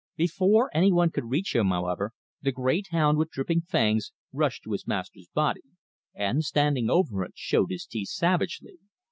Before any one could reach him, however, the great hound, with dripping fangs, rushed to his master's body, and, standing over it, showed his teeth savagely.